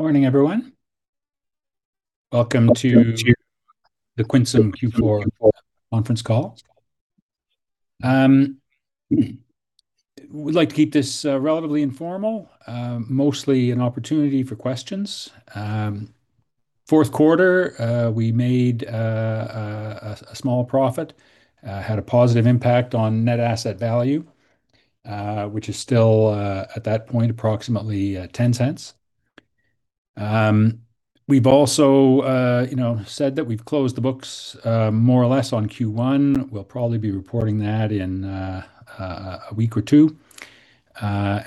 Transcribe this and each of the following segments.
Morning, everyone. Welcome to the Quinsam Q4 conference call. We'd like to keep this relatively informal, mostly an opportunity for questions. Q4, we made a small profit. Had a positive impact on net asset value, which is still at that point approximately 0.10. We've also, you know, said that we've closed the books more or less on Q1. We'll probably be reporting that in a week or two.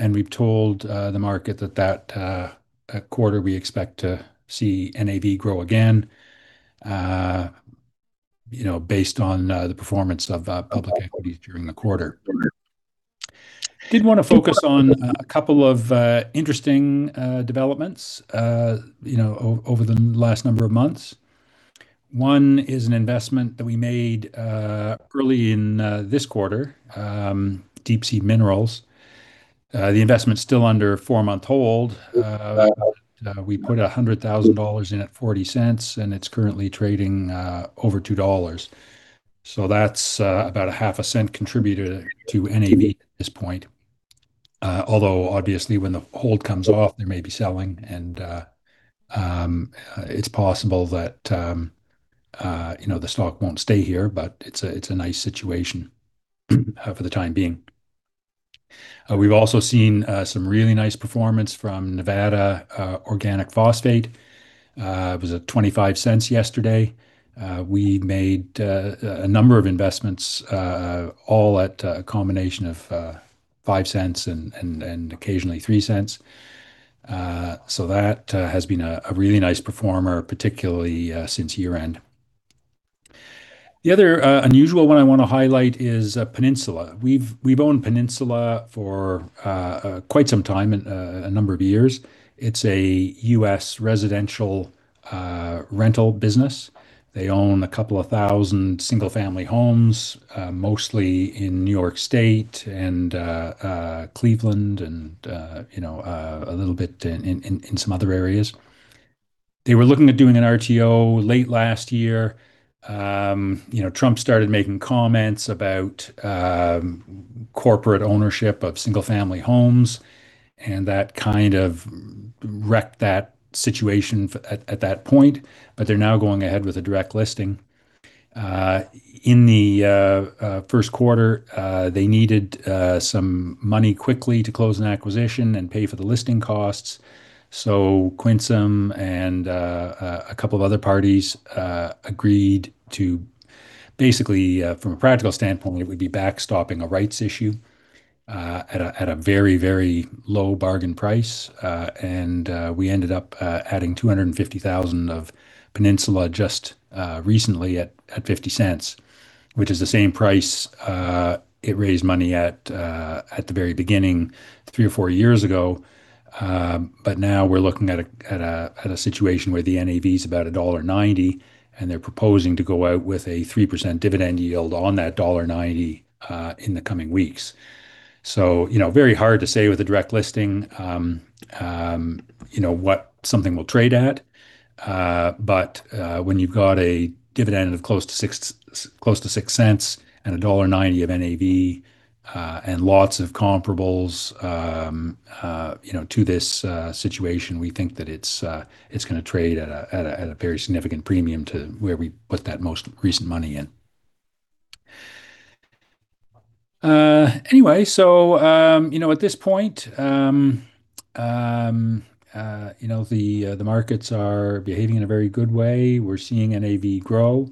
We've told the market that that quarter we expect to see NAV grow again, you know, based on the performance of public equities during the quarter. Did wanna focus on a couple of interesting developments, you know, over the last number of months. One is an investment that we made early in this quarter, Deep Sea Minerals. The investment's still under four-month hold. We put 100,000 dollars in at 0.40, and it's currently trading over 2.00 dollars. That's about CAD 0.005 contributed to NAV at this point. Although obviously, when the hold comes off, there may be selling and, it's possible that, you know, the stock won't stay here, but it's a nice situation for the time being. We've also seen some really nice performance from Nevada Organic Phosphate. It was at 0.25 yesterday. We made a number of investments, all at a combination of 0.05 and occasionally 0.03. That has been a really nice performer, particularly since year-end. The other unusual one I wanna highlight is Peninsula. We've owned Peninsula for quite some time and a number of years. It's a U.S. residential rental business. They own 2,000 single-family homes, mostly in New York State and Cleveland and, you know, a little bit in some other areas. They were looking at doing an RTO late last year. You know, Trump started making comments about corporate ownership of single-family homes, and that kind of wrecked that situation at that point. They're now going ahead with a direct listing. In the first quarter, they needed some money quickly to close an acquisition and pay for the listing costs. Quinsam and a couple of other parties agreed to basically, from a practical standpoint, we would be backstopping a rights issue at a very low bargain price. And we ended up adding 250,000 of Peninsula just recently at 0.50, which is the same price it raised money at at the very beginning three or four years ago. Now we're looking at a situation where the NAV's about dollar 1.90, and they're proposing to go out with a 3% dividend yield on that dollar 1.90 in the coming weeks. You know, very hard to say with a direct listing, you know, what something will trade at. When you've got a dividend of close to 0.06 and dollar 1.90 of NAV, and lots of comparables, you know, to this situation, we think that it's gonna trade at a very significant premium to where we put that most recent money in. You know, at this point, you know, the markets are behaving in a very good way. We're seeing NAV grow.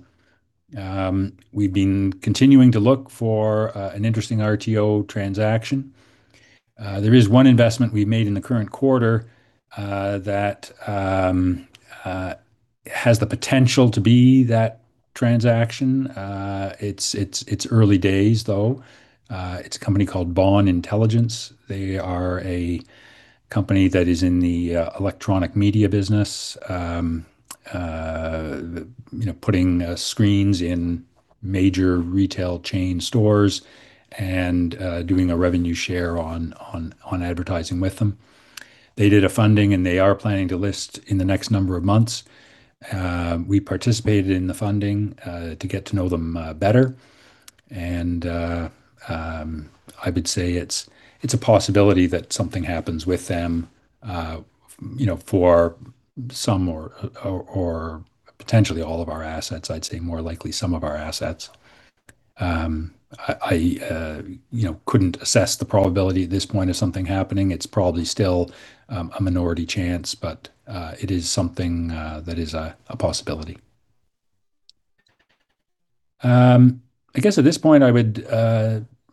We've been continuing to look for an interesting RTO transaction. There is one investment we made in the current quarter, that has the potential to be that transaction. It's early days though. It's a company called Bond Intelligence. They are a company that is in the electronic media business, you know, putting screens in major retail chain stores and doing a revenue share on advertising with them. They did a funding, and they are planning to list in the next number of months. We participated in the funding to get to know them better. I would say it's a possibility that something happens with them, you know, for some or potentially all of our assets. I'd say more likely some of our assets. I, you know, couldn't assess the probability at this point of something happening. It's probably still a minority chance, but it is something that is a possibility. I guess at this point, I would,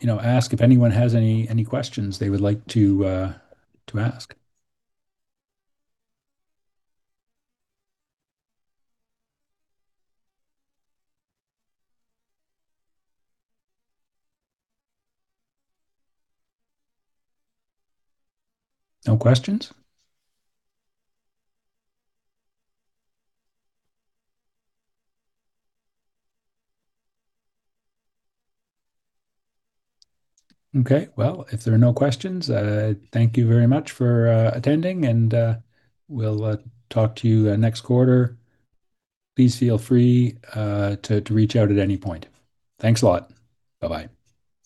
you know, ask if anyone has any questions they would like to ask. No questions? Well, if there are no questions, thank you very much for attending, and we'll talk to you next quarter. Please feel free to reach out at any point. Thanks a lot. Bye-bye.